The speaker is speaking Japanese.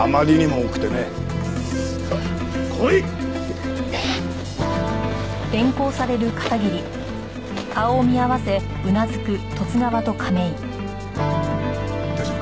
大丈夫か？